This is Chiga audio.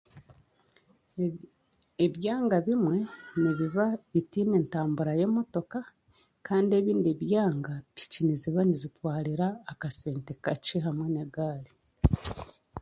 Ebyanga bimwe nibiba bitaine ntambura y'emotoka kandi ebindi byanga, piki niziba nizitwarira akasente kakye hamwe n'egaari